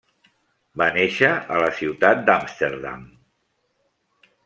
Va néixer a la ciutat d'Amsterdam.